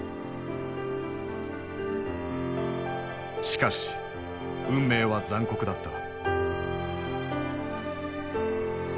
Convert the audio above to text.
しかし運命は残酷だった。